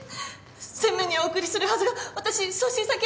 専務にお送りするはずが私送信先を間違えて。